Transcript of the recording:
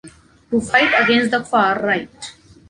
To fight against the far right.